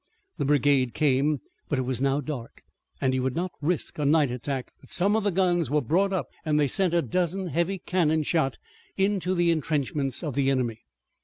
The brigade came, but it was now dark and he would not risk a night attack. But some of the guns were brought up and they sent a dozen heavy cannon shot into the intrenchments of the enemy.